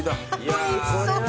おいしそう。